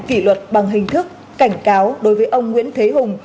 kỷ luật bằng hình thức cảnh cáo đối với ông nguyễn thế hùng